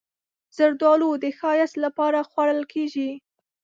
زردالو د ښایست لپاره خوړل کېږي.